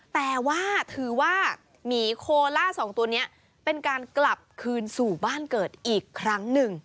แต่ว่าถือว่าหมีโคล่าสองตัวนี้เป็นการกลับคืนสู่บ้านเกิดอีกครั้งหนึ่ง